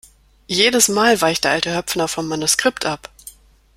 Jedes Mal weicht der alte Höpfner vom Manuskript ab!